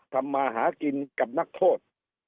ทำมาหากินกับนักโทษ